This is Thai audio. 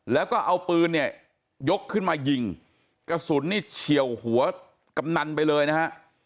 แล้วก็เอาปืนเนี่ยยกขึ้นมายิงกระสุนนี่เฉียวหัวกำนันไปเลยนะฮะ